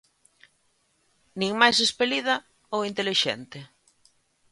Nin máis espelida ou intelixente.